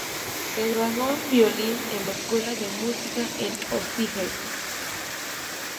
Se graduó en violín en la Escuela de Música en Osijek.